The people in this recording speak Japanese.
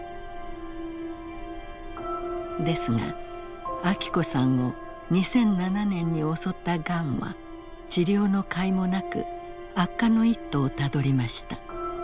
ですが昭子さんを２００７年に襲ったがんは治療のかいもなく悪化の一途をたどりました。